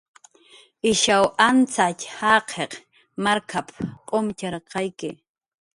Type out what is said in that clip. "Ishaw antzatx jaqiq markap"" k'umtxarqayki"